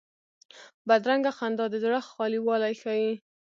بدرنګه خندا د زړه خالي والی ښيي